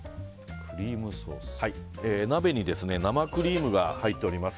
鍋に生クリームが入っております。